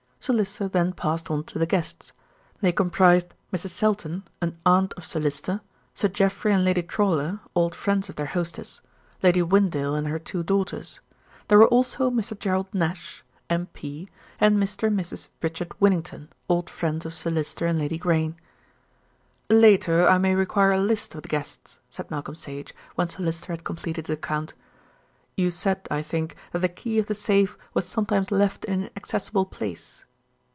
Sir Lyster then passed on to the guests. They comprised Mrs. Selton, an aunt of Sir Lyster; Sir Jeffrey and Lady Trawlor, old friends of their hostess; Lady Whyndale and her two daughters. There were also Mr. Gerald Nash, M. P., and Mr. and Mrs. Richard Winnington, old friends of Sir Lyster and Lady Grayne. "Later, I may require a list of the guests," said Malcolm Sage, when Sir Lyster had completed his account. "You said, I think, that the key of the safe was sometimes left in an accessible place?"